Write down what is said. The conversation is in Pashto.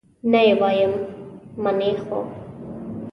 نه یې وایم، منې خو؟